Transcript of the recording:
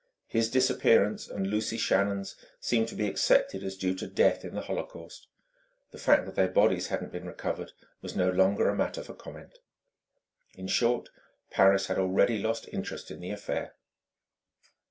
His disappearance and Lucy Shannon's seemed to be accepted as due to death in the holocaust; the fact that their bodies hadn't been recovered was no longer a matter for comment. In short, Paris had already lost interest in the affair.